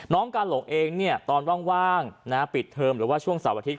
กาหลงเองตอนว่างปิดเทอมหรือว่าช่วงเสาร์อาทิตย